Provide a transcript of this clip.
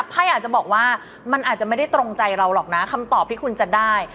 ไพ่อาจจะบอกว่ามันอาจจะไม่ได้ตรงใจเราหรอกนะคำตอบที่คุณจะได้